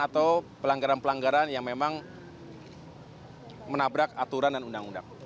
atau pelanggaran pelanggaran yang memang menabrak aturan dan undang undang